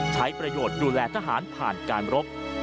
ใช้ประโยชน์ดูแลทหารผ่านการรบ